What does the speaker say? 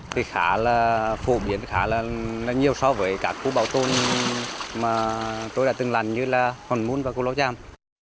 thì khá là phổ biến khá là nhiều so với các khu bảo tồn mà tôi đã từng làm như là hồn môn và cô lâu tram